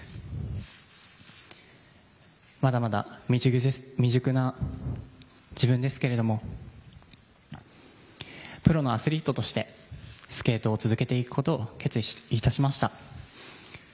まだまだ未熟な自分ですけれどもプロのアスリートとしてスケートを続けていくことを決意いたしました。